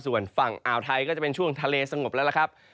ส่วนฝั่งอ่าวไทยก็จะเป็นช่วงทะเลสงบแล้วล่ะครับ